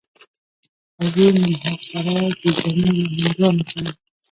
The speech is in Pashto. قاضي منهاج سراج جوزجاني له هندوانو سره